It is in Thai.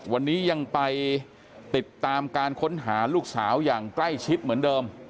วันนี้ยังไปติดตามการค้นหาลูกสาวอย่างใกล้ชิดเหมือนเดิม